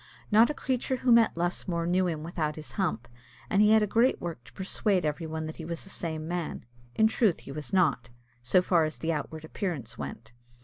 Not a creature who met Lusmore knew him without his hump, and he had a great work to persuade every one that he was the same man in truth he was not, so far as the outward appearance went.